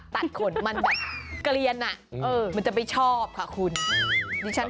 ทำให้หนาวเป็นสุนัข